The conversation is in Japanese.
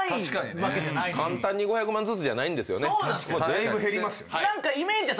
だいぶ減りますよね。